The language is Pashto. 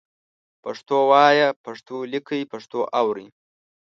پښتو وایئ، پښتو لیکئ، پښتو اورئ